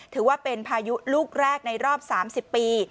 ถือว่าเป็นพายุลูกแรกในรอบ๓๐ปี